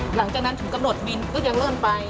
หลังจากนั้นถึงกำหนดบินก็ยังเริ่มไป